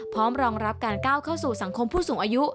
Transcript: พร้อมรองรับการก้าวเข้าสู่สังคมผู้สูงอายุ